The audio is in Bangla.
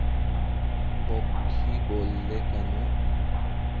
মক্ষী বললে, কেন?